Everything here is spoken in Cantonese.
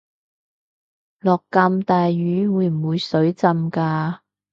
落咁大雨會唔會水浸架